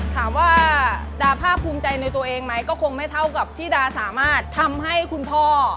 ถามว่าดาภาคภูมิใจในตัวเองไหมก็คงไม่เท่ากับที่ดาสามารถทำให้คุณพ่อ